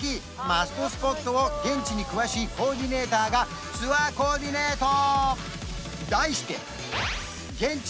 マストスポットを現地に詳しいコーディネーターがツアーコーディネート！